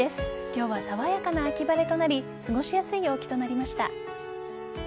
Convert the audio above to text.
今日は爽やかな秋晴れとなり過ごしやすい陽気となりました。